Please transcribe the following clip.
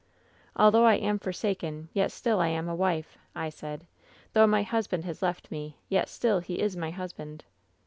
" ^Although I am forsaken, yet still I am a wife 1' I said ; ^though my husband has left me, yet still he is my husband.'